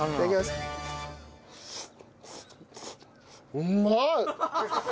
うまい！